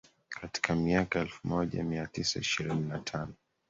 Katika miaka ya elfumoja miatisa ishirini natano